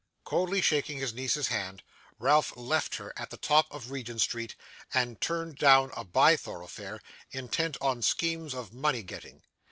Coldly shaking his niece's hand, Ralph left her at the top of Regent Street, and turned down a by thoroughfare, intent on schemes of money getting.